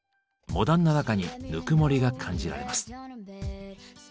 モダンな中にぬくもりが感じられます。